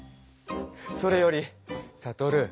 それよりサトル。